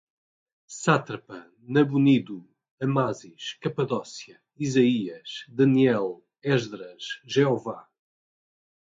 Sátrapa, Nabonido, Amásis, Capadócia, Isaías, Daniel, Esdras, Jeová